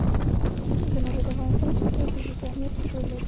زمرد د افغانستان په ستراتیژیک اهمیت کې رول لري.